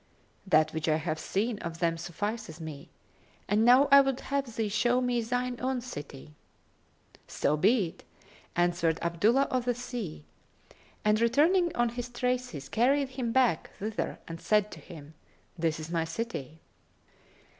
"That which I have seen of them sufficeth me; and now I would have thee show me thine own city." "So be it," answered Abdullah of the Sea; and, returning on his traces, carried him back thither and said to him, "This is my city."